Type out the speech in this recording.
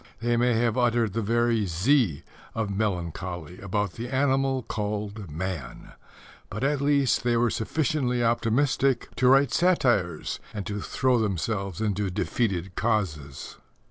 They may have uttered the very Z of melancholy about the animal called man; but at least they were sufficiently optimistic to write satires and to throw themselves into defeated causes.